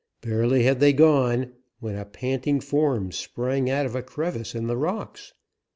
Barely had they gone when a panting form sprang out of a crevice in the rocks.